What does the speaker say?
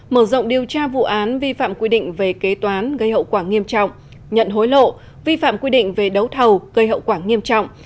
mở rộng điều tra vụ án vi phạm quy định về kế toán gây hậu quả nghiêm trọng nhận hối lộ vi phạm quy định về đấu thầu gây hậu quả nghiêm trọng